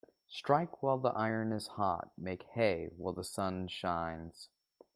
Strike while the iron is hot Make hay while the sun shines.